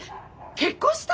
結婚した！？